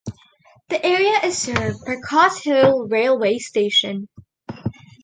The area is served by Crosshill railway station.